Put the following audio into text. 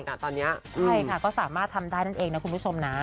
ตอนนี้ใช่ค่ะก็สามารถทำได้นั่นเองนะคุณผู้ชมนะ